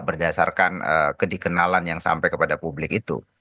berdasarkan kedikenalan yang sampai kepada publik itu